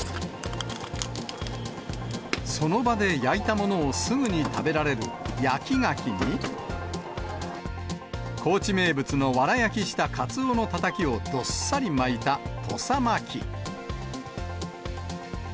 その場で焼いたものをすぐに食べられる焼きガキに、高知名物のわら焼きしたカツオのたたきをどっさり巻いた土佐巻き。